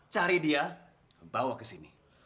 cari dia bawa ke sini